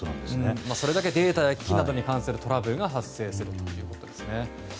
それだけデータや機器に関するトラブルが発生するということですね。